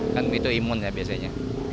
kan itu imun ya biasanya